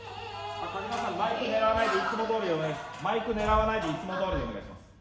マイク狙わないでいつもどおりマイク狙わないでいつもどおりお願いします。